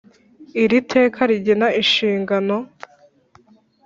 Iri teka rigena inshingano